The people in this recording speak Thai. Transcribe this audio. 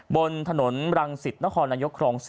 บนถนนรังสิตนครนายกครอง๔